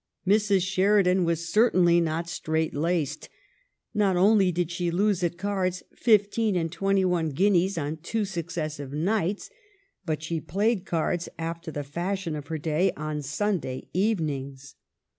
Mrs. Sheridan was certainly not strait laced; not only did she lose at cards fifteen and twenty one guineas on two successive nights, but she played cards, after the fashion of her day, on Sunday evenings.